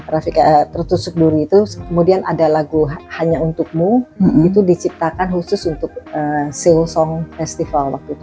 rafika arianto kemudian ada lagu hanya untukmu itu diciptakan khusus untuk silsong festival waktu itu